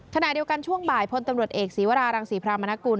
ขณะเดียวกันช่วงบ่ายพลตำรวจเอกศีวรารังศรีพรามนกุล